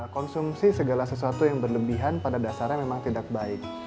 konsumsi segala sesuatu yang berlebihan pada dasarnya memang tidak baik